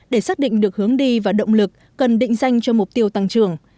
để xác định được hướng đi và động lực cần định danh cho mục tiêu tăng trưởng